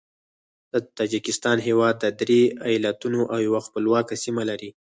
د تاجکستان هیواد درې ایالتونه او یوه خپلواکه سیمه لري.